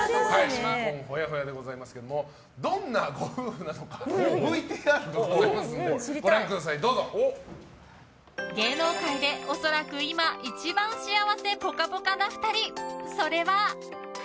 新婚ほやほやでございますけれどもどんなご夫婦なのかＶＴＲがございますので芸能界で恐らく今一番幸せぽかぽかな２人、それは。